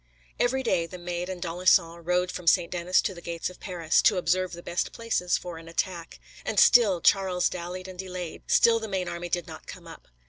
Every day, the Maid and d'Alençon rode from St. Denis to the gates of Paris, to observe the best places for an attack. And still Charles dallied and delayed, still the main army did not come up.